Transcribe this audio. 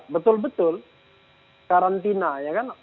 betul betul karantina ya kan